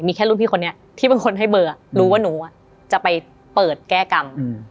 มีแค่รุ่นพี่คนนี้ที่เป็นคนให้เบอร์รู้ว่าหนูจะไปเปิดแก้กรรม